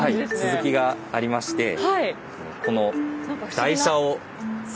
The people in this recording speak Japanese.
続きがありましてこの。